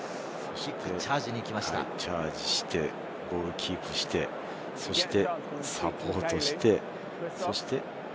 そしてチャージして、ボールをキープして、そしてサポートして。